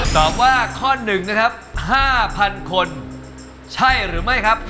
ตอบว่าข้อ๑นะครับ๕๐๐คนใช่หรือไม่ครับ